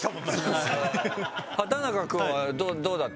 畠中くんはどうだった？